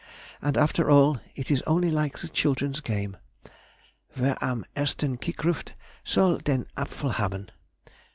And after all, it is only like the children's game, "_Wer am ersten kick ruft, soll den Apfel haben!